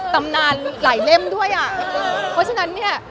ตำนานหลายเล่มด้วยอ่ะเพราะฉะนั้นเนี่ย